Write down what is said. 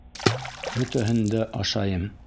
Бөтәһен дә ашайым.